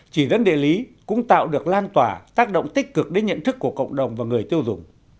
chỉ dẫn địa lý cũng tạo được lan tỏa tác động tích cực đến nhận thức của cộng đồng và người tiêu dùng